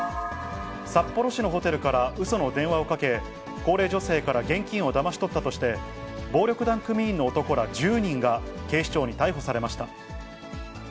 札幌市のホテルから、うその電話をかけ、高齢女性から現金をだまし取ったとして、暴力団組員の男ら１０人が警視庁に逮捕されました。